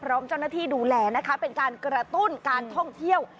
พร้อมเจ้าหน้าที่ดูแลนะคะเป็นการกระตุ้นการท่องเที่ยว